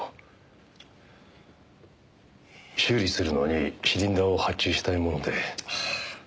修理するのにシリンダーを発注したいもので。